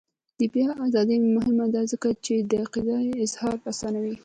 د بیان ازادي مهمه ده ځکه چې د عقیدې اظهار اسانوي.